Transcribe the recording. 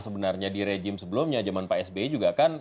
sebenarnya di rejim sebelumnya zaman pak sby juga kan